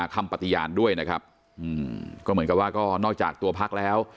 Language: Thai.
ก็เหมือนกันว่าก็นอกจากตัวภักดิ์แล้ว